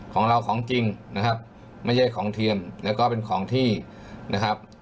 ของเราของจริงนะครับไม่ใช่ของเทียมแล้วก็เป็นของที่นะครับ